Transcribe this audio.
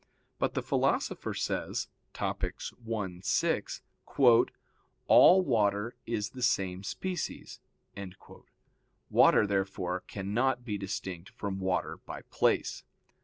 But the Philosopher says (Topic. i, 6): "All water is the same species." Water therefore cannot be distinct from water by place.